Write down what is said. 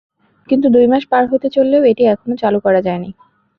কিন্তু দুই মাস পার হতে চললেও এটি এখনো চালু করা যায়নি।